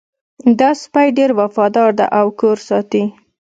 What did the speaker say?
دا سپی ډېر وفادار ده او کور ساتي